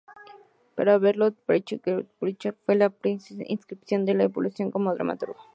Para Bertolt Brecht Georg Büchner fue la principal inspiración de su evolución como dramaturgo.